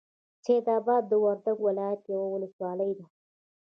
سیدآباد د وردک ولایت یوه ولسوالۍ ده.